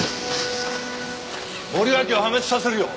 森脇を破滅させるよ。